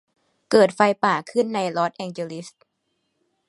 เกิดไฟป่าขึ้นในลอสแองเจลิส